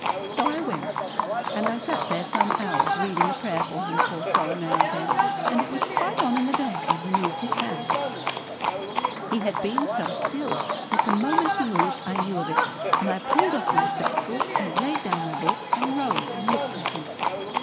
So I went, and I sat there some hours, reading a prayer for him poor soul now and then, and it was quite on in the day when he moved his hand. He had been so still, that the moment he moved I knew of it, and I pulled off my spectacles and laid down my book and rose and looked at him.